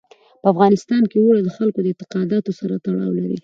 په افغانستان کې اوړي د خلکو د اعتقاداتو سره تړاو لري.